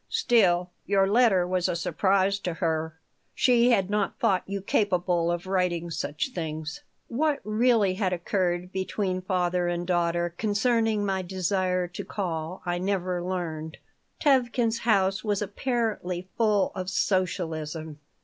"Still, your letter was a surprise to her. She had not thought you capable of writing such things." What really had occurred between father and daughter concerning my desire to call I never learned Tevkin's house was apparently full of Socialism.